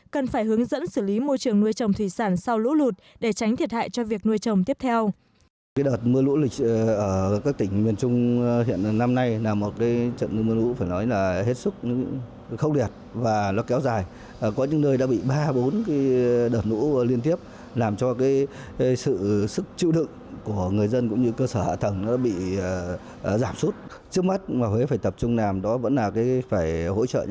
cần phải hướng dẫn xử lý môi trường nuôi trồng thủy sản sau lũ lụt